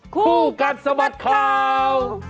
ครูกัลสมัสเทา